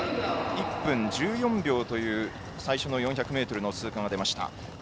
１分１４秒という最初の４００ｍの通過が出ました。